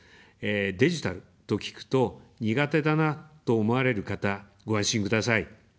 デジタルと聞くと、苦手だなと思われる方、ご安心ください。